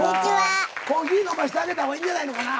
コーヒー飲ましてあげた方がいいんじゃないのかな。